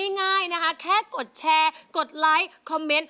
ง่ายนะคะแค่กดแชร์กดไลค์คอมเมนต์